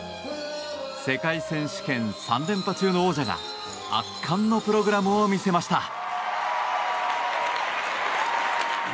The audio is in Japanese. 世界選手権３連覇中の王者が圧巻のプログラムを見せました。